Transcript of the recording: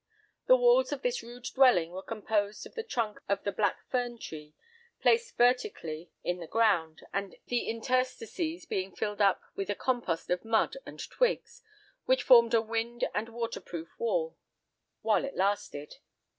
The walls of this rude dwelling were composed of the trunk of the black fern tree, placed vertically in the ground, the interstices being filled up with a compost of mud and twigs, which formed a wind and waterproof wall, while it lasted.